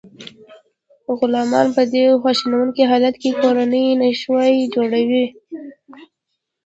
غلامانو په دې خواشینونکي حالت کې کورنۍ نشوای جوړولی.